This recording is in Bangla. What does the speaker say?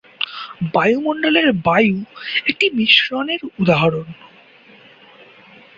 বায়ুমণ্ডলের বায়ু একটি মিশ্রণে উদাহরণ।